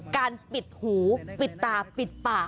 การปิดหูปิดตาปิดปาก